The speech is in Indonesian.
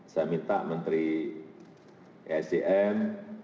saya minta menteri esjm